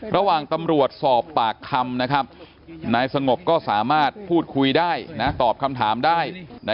ระหว่างตำรวจสอบปากคำนายสงบก็สามารถพูดคุยได้ตอบคำถามได้